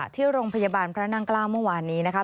ที่โรงพยาบาลพระนั่งเกล้าเมื่อวานนี้นะคะ